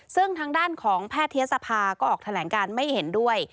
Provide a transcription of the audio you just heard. ซึ่งทางด้านของแพทยศภาก็ออกแถลงการไม่เห็นด้วย